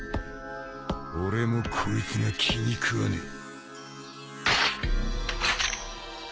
俺もこいつが気に食わねえ。